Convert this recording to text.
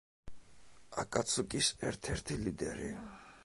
აკაცუკის ერთ-ერთი ლიდერი.